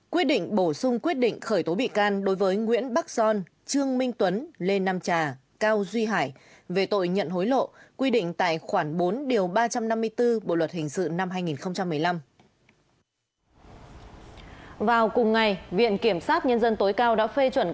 ba quyết định bổ sung quyết định khởi tố bị can đối với nguyễn bắc son trương minh tuấn lê nam trà cao duy hải về tội nhận hối lộ quy định tại khoảng bốn điều năm